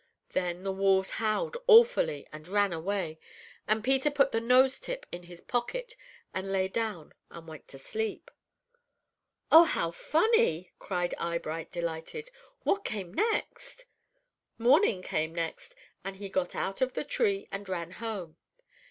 Then the wolves howled awfully and ran away, and Peter put the nose tip in his pocket, and lay down and went to sleep." "Oh, how funny!" cried Eyebright, delighted. "What came next?" "Morning came next, and he got out of the tree and ran home.